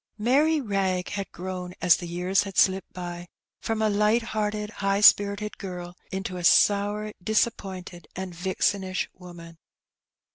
Mary Wrag had grown, as the years had slipped by, from a light hearted, high spirited girl, into a sour, dis appointed, and vixenish woman.